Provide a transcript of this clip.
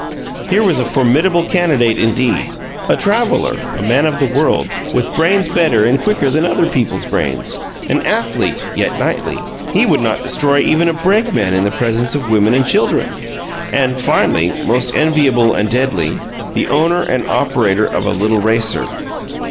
Here was a formidable candidate, indeed a traveler, a man of the world, with brains better and quicker than other people's brains; an athlete, yet knightly he would not destroy even a brakeman in the presence of women and children and, finally, most enviable and deadly, the owner and operator of a "little racer"!